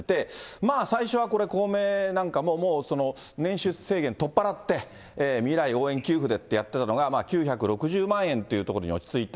まあ、最初はこれ、公明なんかももうその、年収制限取っ払って、未来応援給付でってやってたのが、９６０万円っていうところに落ち着いた。